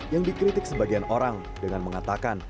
yang dikritik sebagian orang dengan mengatakan